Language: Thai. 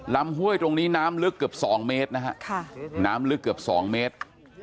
ห้วยตรงนี้น้ำลึกเกือบ๒เมตรนะฮะน้ำลึกเกือบ๒เมตร